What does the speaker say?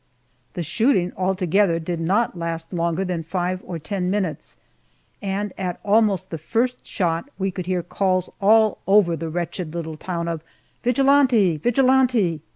The shooting altogether did not last longer than five or ten minutes, and at almost the first shot we could hear calls all over the wretched little town of "Vigilante! Vigilante!"